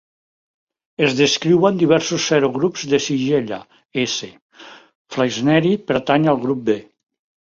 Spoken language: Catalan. Es descriuen diversos serogrups de Shigella; S. flexneri pertany al grup "B".